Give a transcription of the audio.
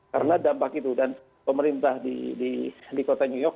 karena dampak itu dan pemerintah di kota new york